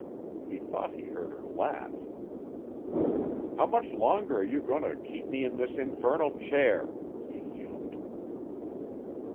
He thought he heard her laugh. "How much longer are you going to keep me in this infernal chair?" he fumed.